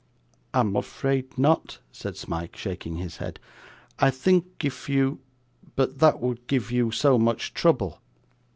'I am afraid not,' said Smike, shaking his head. 'I think if you but that would give you so much trouble.